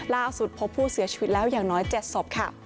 ล่าสุดพบผู้เสียชีวิตแล้วอย่างน้อย๗ศพค่ะ